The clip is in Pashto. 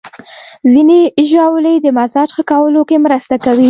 ځینې ژاولې د مزاج ښه کولو کې مرسته کوي.